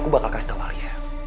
aku bakal kasih tau alia